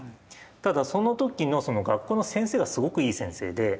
ただその時の学校の先生がすごくいい先生で。